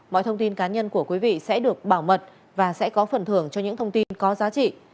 mọi thông tin cá nhân của quý vị sẽ được bảo mật và sẽ có phần thưởng cho những thông tin có giá trị